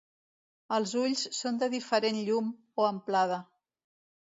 Els ulls són de diferent llum, o amplada.